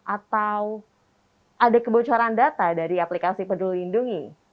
atau ada kebocoran data dari aplikasi peduli lindungi